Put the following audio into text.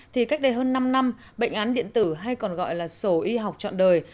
thì cách đây hơn năm năm bệnh án điện tử hay còn gọi là sổ y học trọn đời